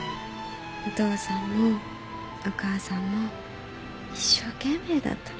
お父さんもお母さんも一生懸命だったの。